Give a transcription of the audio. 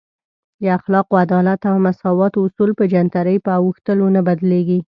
د اخلاقو، عدالت او مساوات اصول په جنترۍ په اوښتلو نه بدلیږي.